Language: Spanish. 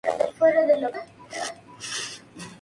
Friedrich Nietzsche es una excepción notable y muy influyente.